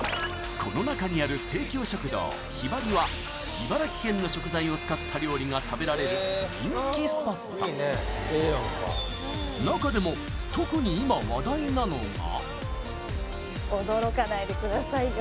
この中にある生協食堂「ひばり」は茨城県の食材を使った料理が食べられる人気スポット中でも特に驚かないでくださいよ